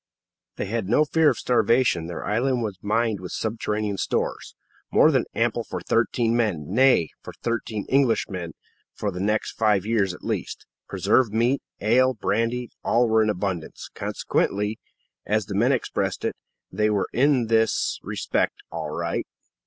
They had no fear of starvation. Their island was mined with subterranean stores, more than ample for thirteen men nay, for thirteen Englishmen for the next five years at least. Preserved meat, ale, brandy all were in abundance; consequently, as the men expressed it, they were in this respect "all right."